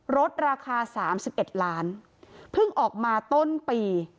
รถราคาสามสิบเอ็ดล้านเพิ่งออกมาต้นปี